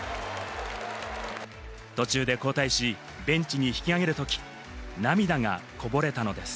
途中で交代し、ベンチに引きあげる時、涙がこぼれたのです。